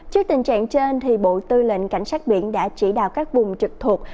trước tình trạng trên bộ tư lệnh cảnh sát biển đã chỉ đạo các vùng trực thuộc